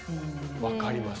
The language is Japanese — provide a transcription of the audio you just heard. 分かります。